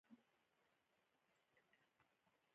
د هرات جمعې مسجد غوري میناکاري لري